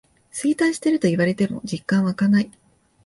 衰退してると言われても実感わかない